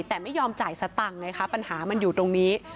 แต่ไม่ยอมจ่ายสตังค์ไงคะปัญหามันอยู่ตรงนี้